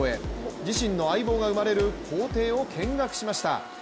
自身の相棒が生まれる行程を見学しました。